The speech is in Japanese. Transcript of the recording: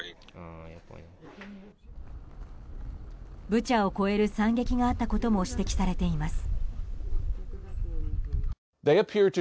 ブチャを超える惨劇があったことも指摘されています。